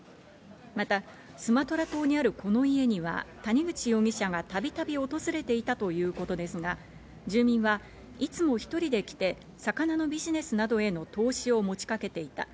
またスマトラ島にあるこの家には、谷口容疑者がたびたび訪れていたということですが、住民はいつも１人で来て、魚のビジネスなどへの投資を持ちかけていた。